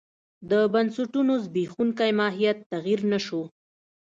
د بنسټونو زبېښونکی ماهیت تغیر نه شو.